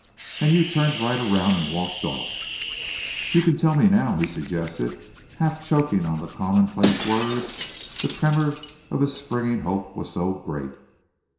"And you turned right around and walked off!" "You can tell me now," he suggested, half choking on the commonplace words, the tremor of his springing hope was so great.